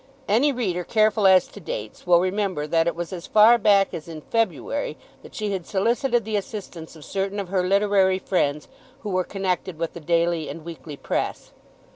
Any reader careful as to dates will remember that it was as far back as in February that she had solicited the assistance of certain of her literary friends who were connected with the daily and weekly press.